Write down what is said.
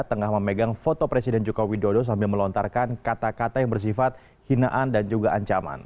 tengah memegang foto presiden joko widodo sambil melontarkan kata kata yang bersifat hinaan dan juga ancaman